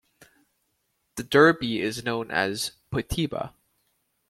The derby is known as "Potiba".